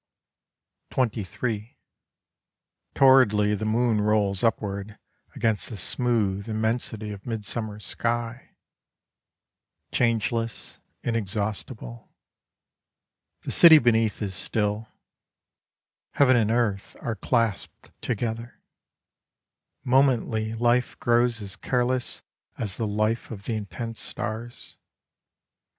XXIII Torridly the moon rolls upward Against the smooth immensity of midsummer sky, Changeless, inexhaustible: The city beneath is still: Heaven and Earth are clasped together, Momently life grows as careless As the life of the intense stars.